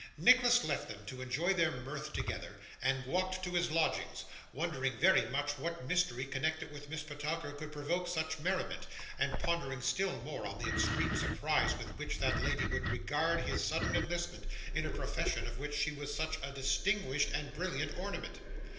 Nicholas left them to enjoy their mirth together, and walked to his lodgings; wondering very much what mystery connected with Miss Petowker could provoke such merriment, and pondering still more on the extreme surprise with which that lady would regard his sudden enlistment in a profession of which she was such a distinguished and brilliant ornament.